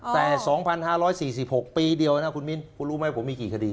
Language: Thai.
แต่๒๕๔๖ปีเดียวนะคุณมิ้นคุณรู้ไหมผมมีกี่คดี